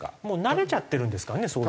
もう慣れちゃってるんですかね